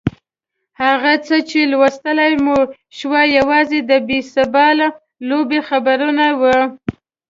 هغه څه چې لوستلای مې شوای یوازې د بېسبال لوبې خبرونه وو.